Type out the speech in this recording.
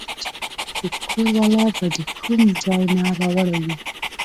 چې کور والا به د کوم ځاے نه راوړې وې